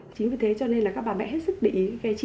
thì có thể sẽ có những tác dụng phụ bôi